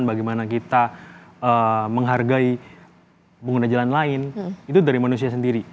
bagaimana kita menghargai pengguna jalan lain itu dari manusia sendiri